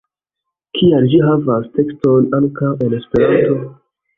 Kial ĝi havas tekston ankaŭ en Esperanto?